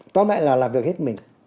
tóm lại là làm việc hết mình